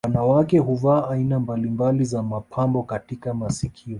Wanawake huvaa aina mbalimbali za mapambo katika masikio